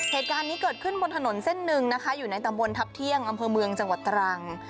เหตุการณ์นี้เกิดขึ้นบนถนนเส้นหนึ่งนะคะอยู่ในตำบลทัพเที่ยงอำเภอเมืองจังหวัดตรัง